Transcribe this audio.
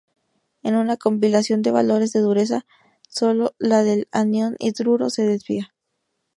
En una compilación de valores de dureza, sólo la del anión hidruro se desvía.